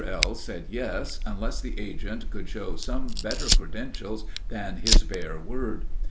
L. said yes, unless the agent could show some better credentials than his bare word.